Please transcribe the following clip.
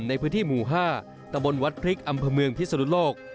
ในพื้นที่หมู่๕ตะบนวัดพริกอำเภอเมืองพิศนุโลก